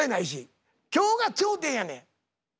今日が頂点やねん！